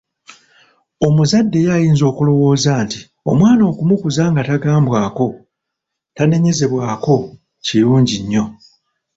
Omuzadde ye ayinza okulowooza nti omwana okumukuza nga tagambwako, tanenyezebwa kirungi nyo.